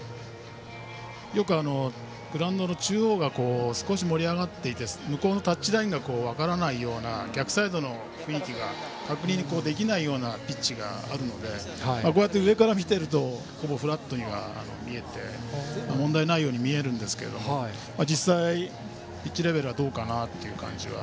グラウンドの中央がよく少し盛り上がっていて向こうのタッチラインが分からない逆サイドの雰囲気が確認できないピッチがあるのでこうして上から見ているとほぼフラットに見えて問題ないように見えるんですが実際、ピッチレベルはどうかなという感じが。